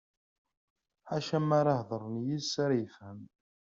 Ḥaca ma hedren yid-s ara yefhem.